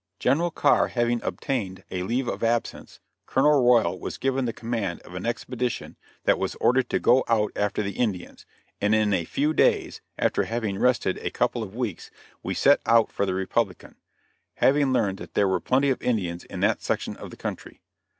General Carr having obtained a leave of absence, Colonel Royal was given the command of an expedition that was ordered to go out after the Indians, and in a few days after having rested a couple of weeks we set out for the Republican; having learned that there were plenty of Indians in that section of the country.